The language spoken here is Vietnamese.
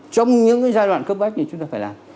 trong những giai đoạn cấp bách này chúng ta phải làm